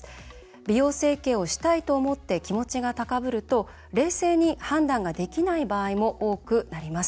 美容整形をしたいと思って気持ちが高ぶると冷静に判断ができない場合も多くなります。